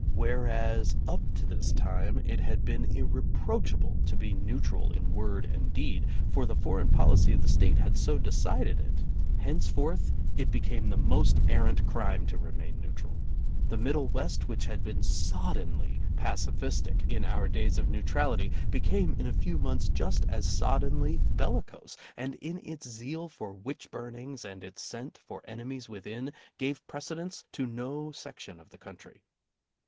Whereas up to this time, it had been irreproachable to be neutral in word and deed, for the foreign policy of the State had so decided it, henceforth it became the most arrant crime to remain neutral. The Middle West, which had been soddenly pacifistic in our days of neutrality, became in a few months just as soddenly bellicose, and in its zeal for witch burnings and its scent for enemies within gave precedence to no section of the country.